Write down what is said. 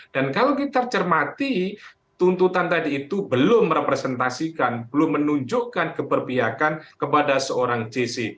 dan kalau kita cermati tuntutan tadi itu belum merepresentasikan belum menunjukkan keperbiakan kepada seorang jese